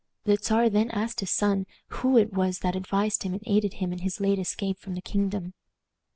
The Czar then asked his son who it was that advised him and aided him in his late escape from the kingdom.